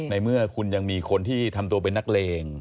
ในเมื่อคุณยังมีคนที่ทำตัวเป็นนักเลง